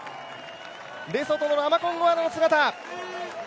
レソト、ラマコンゴアナの姿。